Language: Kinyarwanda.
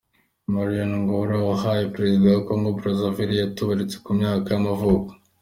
Marien Ngouabi, wabaye perezida wa Kongo Brazzaville yaratabarutse, ku myaka y’amavuko.